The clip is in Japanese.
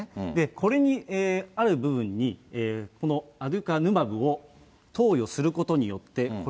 これにある部分に、このアデュカヌマブを投与することによって、これ、